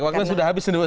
waktunya sudah habis